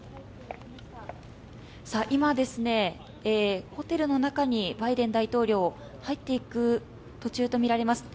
今、ホテルの中にバイデン大統領入っていく途中とみられます。